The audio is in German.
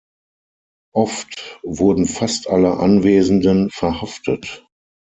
Oft wurden fast alle Anwesenden verhaftet.